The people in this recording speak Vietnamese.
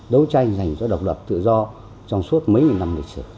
đấu tranh dành cho độc lập tự do trong suốt mấy nghìn năm lịch sử